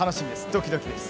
ドキドキです。